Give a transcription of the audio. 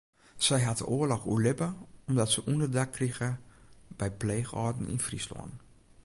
Sy hat de oarloch oerlibbe omdat se ûnderdak krige by pleechâlden yn Fryslân.